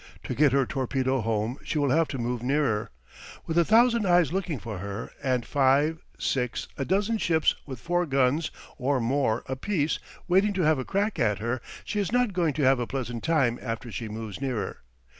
To get her torpedo home she will have to move nearer. With a thousand eyes looking for her and five, six, a dozen ships with four guns or more apiece waiting to have a crack at her, she is not going to have a pleasant time after she moves nearer.